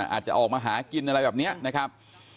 อาจจะออกมาหากินอะไรแบบนี้นะครับ